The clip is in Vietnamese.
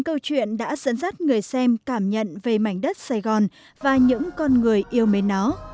câu chuyện đã dẫn dắt người xem cảm nhận về mảnh đất sài gòn và những con người yêu mến nó